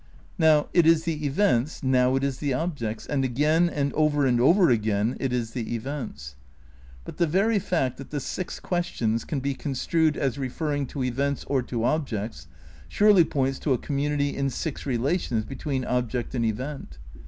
Now it is the events, now it is the objects, and again, and over and over again, it is the events. But the very fact that the six questions "can be construed as refer ring to events or to objects" surely points to a com munity in six relations between object and event.